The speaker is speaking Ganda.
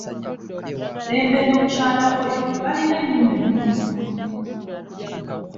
Dembe ne mukyala we balina enyumba ennungi ne mmotoka.